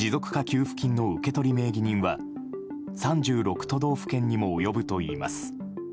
給付金の受け取り名義人は３６都道府県にも及ぶといいます。